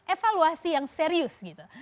evaluasi yang serius gitu